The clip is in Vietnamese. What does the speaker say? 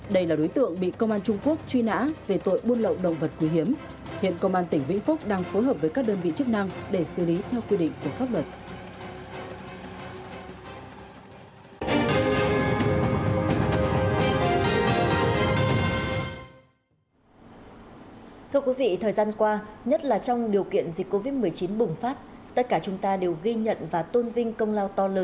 đây là đối tượng bị công an trung quốc truy nã về tội buôn lậu động vật quý hiếm hiện công an tỉnh vĩnh phúc đang phối hợp với các đơn vị chức năng để xử lý theo quy định của pháp luật